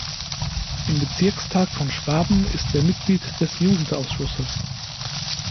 Im Bezirkstag von Schwaben ist er Mitglied des Jugendausschusses.